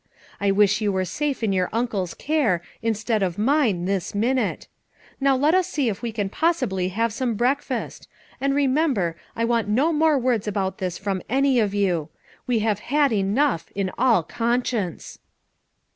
I wish you were safe in your uncle's care, instead of mine, this minute! Now let us see if we can possibly have some breakfast; and remember, I want no more words about this from any of you. We have had enough, in all conscience!"